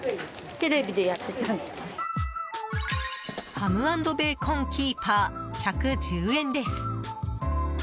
ハムａｎｄベーコンキーパー１１０円です。